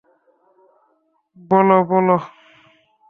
বলো, বলো?